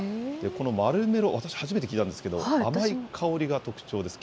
このマルメロ、私、初めて聞いたんですけれども、甘い香りが特徴です。